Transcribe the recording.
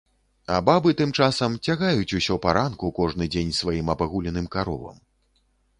А бабы, тым часам, цягаюць усё паранку кожны дзень сваім абагуленым каровам.